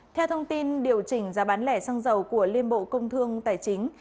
theo thông tin điều chỉnh giá bán lẻ xăng dầu của liên bộ công thương tài chính